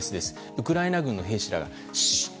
ウクライナ軍の兵士がシー。